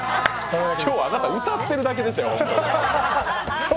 今日、あなた、歌ってるだけでしたよ。